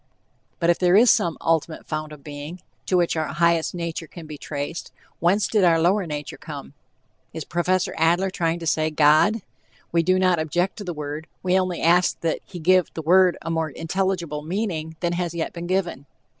But if there is "some ultimate fount of being," to which our "highest" nature "can be traced," whence did our lower nature come? Is Prof. Adler trying to say God? We do not object to the word, we only ask that he give the word a more intelligible meaning than has yet been given.